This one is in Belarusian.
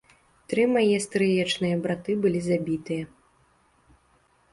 Тры мае стрыечныя браты былі забітыя.